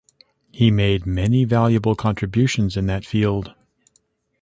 He made many valuable contributions in that field.